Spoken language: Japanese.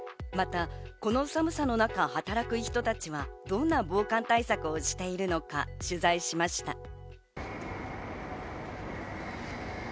またこの寒さの中、働く人たちはどんな防寒対策をしているのか、取材しました。